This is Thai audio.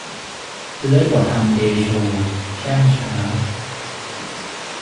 เลื้อยบ่ทำเดโช แช่มช้า